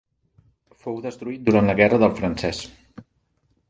Fou destruït durant la Guerra del Francès.